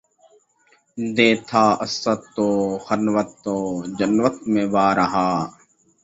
دیکھا اسدؔ کو خلوت و جلوت میں بار ہا